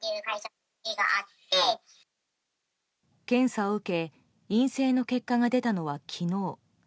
検査を受け陰性の結果が出たのは昨日。